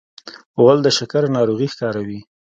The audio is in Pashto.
غول د شکر ناروغي ښکاروي.